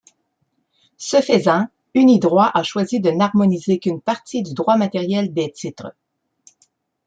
Ce faisant, Unidroit a choisi de n'harmoniser qu'une partie du droit matériel des titres.